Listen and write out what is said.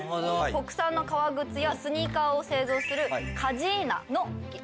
国産の革靴やスニーカーを製造する。